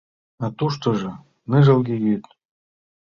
А туштыжо — ныжылге йӱд.